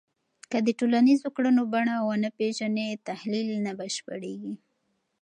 که د ټولنیزو کړنو بڼه ونه پېژنې، تحلیل نه بشپړېږي